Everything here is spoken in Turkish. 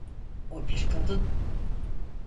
O bir kadın.